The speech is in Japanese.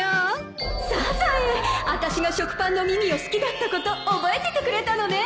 サザエあたしが食パンの耳を好きだったこと覚えててくれたのね